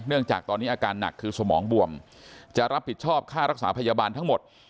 จากตอนนี้อาการหนักคือสมองบวมจะรับผิดชอบค่ารักษาพยาบาลทั้งหมด